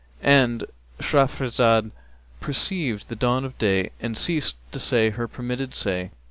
'—And Shahrazad perceived the dawn of day and ceased to say her permitted say.